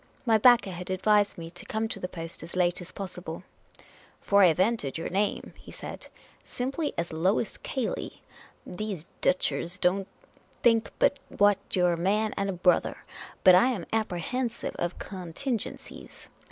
My backer had advised me to come to the post as late as possible, " For I have entered your name," he said, " simply as Lois Cayley. These Deutschers don't think but what you 're a man and a brother. But I am apprehensive of con tingencies.